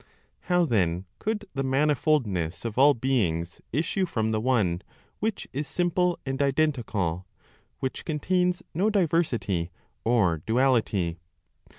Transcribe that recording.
" How then could the manifoldness of all beings issue from the One, which is simple and identical, which contains no diversity or duality?